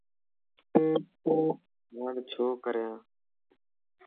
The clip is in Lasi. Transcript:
ھاڻ ڇو ڪريان؟